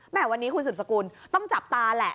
วันนี้คุณสืบสกุลต้องจับตาแหละ